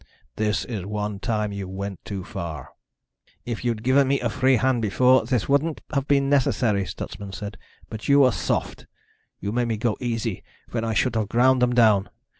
"This is one time you went too far." "If you'd given me a free hand before, this wouldn't have been necessary," Stutsman said. "But you were soft. You made me go easy when I should have ground them down.